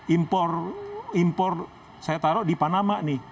impor impor saya taruh di panama nih